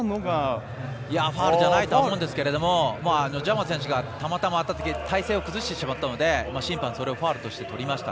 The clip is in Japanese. ファウルじゃないと思うんですけれどもジャマ選手が当たったときに体勢を崩してしまったので審判、それをファウルとしてとりました。